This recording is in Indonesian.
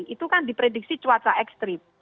itu kan diprediksi cuaca ekstrim